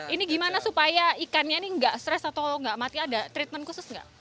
ini gimana supaya ikannya ini nggak stres atau nggak mati ada treatment khusus nggak